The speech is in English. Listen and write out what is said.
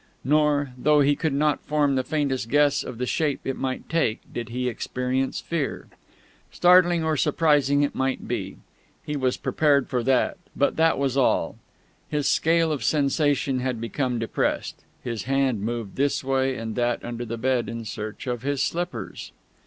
Nor, though he could not form the faintest guess of the shape it might take, did he experience fear. Startling or surprising it might be; he was prepared for that; but that was all; his scale of sensation had become depressed. His hand moved this way and that under the bed in search of his slippers....